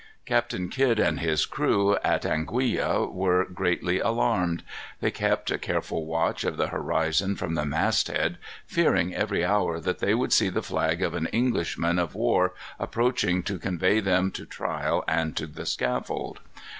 Captain Kidd and his crew, at Anguilla, were greatly alarmed. They kept a careful watch of the horizon from the mast head, fearing every hour that they should see the flag of an English man of war approaching to convey them to trial and the scaffold.